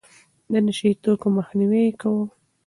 د نشه يي توکو مخنيوی يې کاوه.